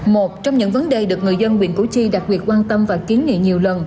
một trong những vấn đề được người dân huyện củ chi đặc biệt quan tâm và kiến nghị nhiều lần